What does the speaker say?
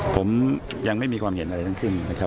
ผมยังไม่มีความเห็นอะไรทั้งสิ้นนะครับ